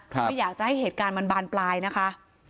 ไม่อยากจะให้เหตุการณ์มันบานปลายนะคะ